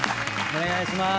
お願いします。